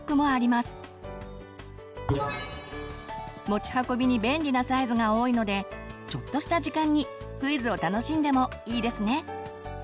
持ち運びに便利なサイズが多いのでちょっとした時間にクイズを楽しんでもいいですね。